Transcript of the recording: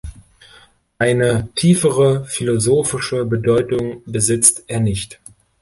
Eine tiefere, philosophische Bedeutung besitzt er nicht.